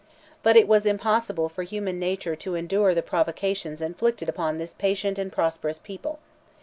But it was impossible for human nature to endure the provocations inflicted upon this patient and prosperous people.